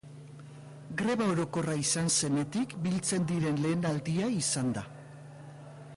Greba orokorra izan zenetik biltzen diren lehen aldia izan da.